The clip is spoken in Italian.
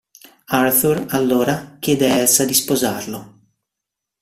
Arthur, allora, chiede a Elsa di sposarlo.